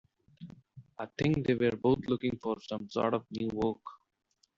I think they're both looking for some sort of new work.